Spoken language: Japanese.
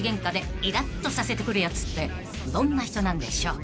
［どんな人なんでしょう］